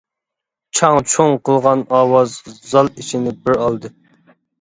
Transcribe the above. چاڭ-چۇڭ قىلغان ئاۋاز زال ئىچىنى بىر ئالدى.